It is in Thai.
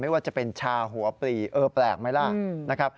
ไม่ว่าจะเป็นชาหัวปรีเออแปลกไหมล่ะ